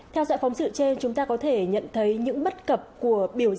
theo dạng phóng sự trên chúng ta có thể nhận thấy những bất cập của biểu tượng